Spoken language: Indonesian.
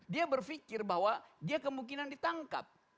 dia berpikir bahwa dia kemungkinan ditangkap